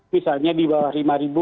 misalnya di bawah lima